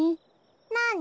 なに？